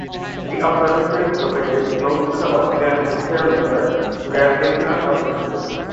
The Observatory is located close to the Australian Interferometer Gravitational Observatory.